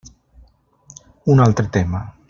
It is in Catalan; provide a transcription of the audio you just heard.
Un altre tema.